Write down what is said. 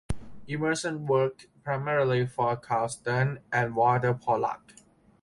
Emerson worked primarily for Carl Stern and Walter Pollak.